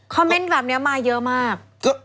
เมนต์แบบนี้มาเยอะมาก